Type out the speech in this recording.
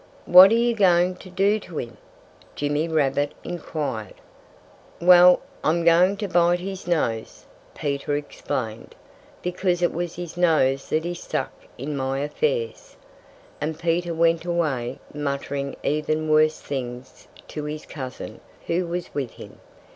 "What are you going to do to him?" Jimmy Rabbit inquired. "Well, I'm going to bite his nose," Peter explained, "because it was his nose that he stuck in my affairs." And Peter went away muttering even worse things to his cousin, who was with him.